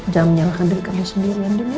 jangan menyalahkan diri kamu sendiri ya